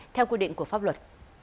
theo quy định của pháp luật